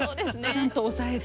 ちゃんと押さえて。